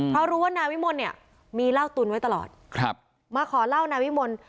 เพราะรู้ว่านายวิมลเนี่ยมีเหล้าตุนไว้ตลอดครับมาขอเล่านายวิมล